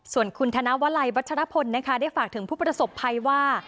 ส่วนคุณธนวลัยวัชรพลนะคะได้ฝากถึงผู้ประสบภัยว่า